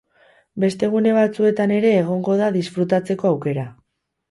Beste gune batzuetan ere egongo da disfrutatzeko aukera.